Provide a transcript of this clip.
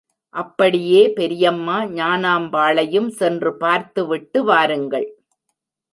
அப்படியே பெரியம்மா ஞானாம்பாளையும்சென்று பார்த்துவிட்டு வாருங்கள்.